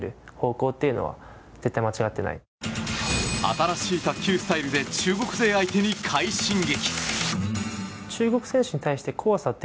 新しい卓球スタイルで中国勢相手に快進撃！